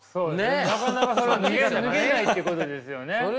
なかなかそれが脱げないってことですよね。